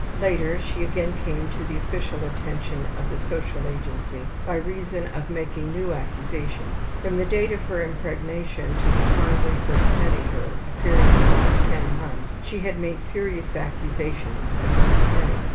Later, she again came to the official attention of the social agency by reason of making new accusations. From the date of her impregnation to the time we first studied her, a period of about 10 months, she had made serious accusations against many.